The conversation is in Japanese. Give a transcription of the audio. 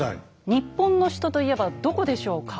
日本の首都と言えばどこでしょうか？